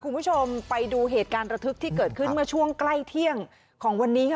คุณผู้ชมไปดูเหตุการณ์ระทึกที่เกิดขึ้นเมื่อช่วงใกล้เที่ยงของวันนี้ค่ะ